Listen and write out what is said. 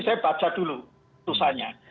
saya baca dulu putusannya